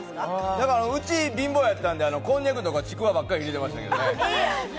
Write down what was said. うちは貧乏やったんで、こんにゃくとかちくわばっかり入れていました。